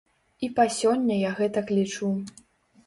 І па сёння я гэтак лічу.